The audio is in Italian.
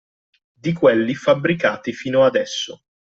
Di quelli fabbricati fino adesso